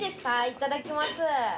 いただきます。